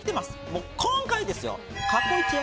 もう今回ですよ。